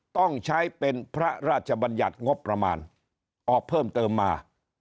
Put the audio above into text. ต้องใช้เป็นพระราชบัญญัติงบประมาณออกเพิ่มเติมมา